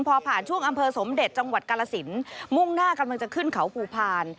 พอผ่านช่วงอำเภอสมเด็จจังหวัดกาลสินมุ่งหน้ากำลังจะขึ้นเขาภูพาล